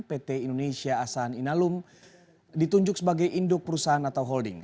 pt indonesia asan inalum ditunjuk sebagai induk perusahaan atau holding